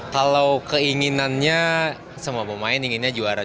kalau keinginannya semua pemain inginnya juara